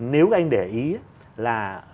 nếu anh để ý là